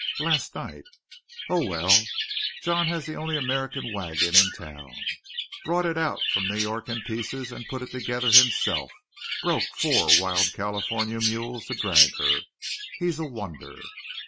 "Last night." "Oh! Well, John has the only American wagon in town. Brought it out from New York in pieces, and put it together himself. Broke four wild California mules to drag her. He's a wonder!"